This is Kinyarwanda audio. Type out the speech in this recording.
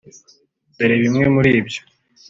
Dore bimwe muri ibyo